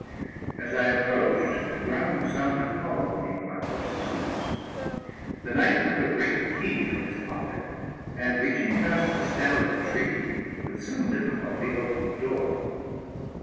As I approached, the ground sounded hollow beneath my horse's hoofs. The knight took a great key from his pocket, and reaching past the stem of the tree, with some difficulty opened the door.